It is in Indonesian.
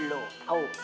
lo kan tuan gue